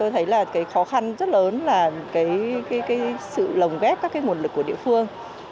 thế là cái khó khăn rất lớn là cái sự lồng ghép các cái nguồn lực của địa phương